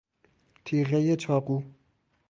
تیغهی چاقو